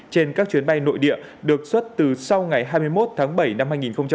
trên các chuyến bay nội địa được xuất từ sau ngày hai mươi một tháng bảy năm hai nghìn hai mươi